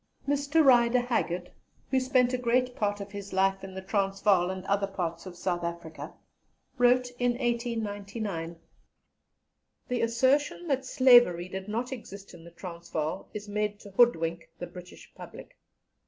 Mr. Rider Haggard, who spent a great part of his life in the Transvaal and other parts of South Africa, wrote in 1899: "The assertion that Slavery did not exist in the Transvaal is made to hoodwink the British public.